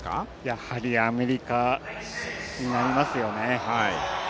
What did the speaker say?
やはりアメリカになりますよね。